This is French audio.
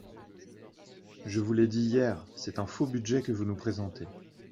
Je vous l’ai dit hier, c’est un faux budget que vous nous présentez.